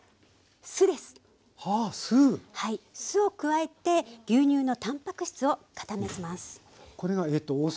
酢を加えて牛乳のタンパク質を固めます。